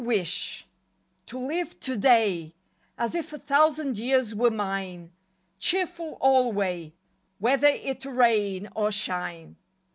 WISH To live today As if a thousand years were mine, Cheerful alway Whether it rain or shine.